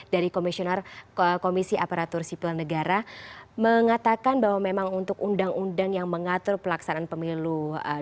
dari komisi aparatur sipil negara mengatakan bahwa memang untuk undang undang yang mengatur pelaksanaan pemilu dua ribu sembilan belas